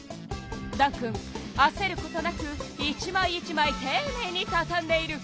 暖くんあせることなく１まい１まいていねいにたたんでいる。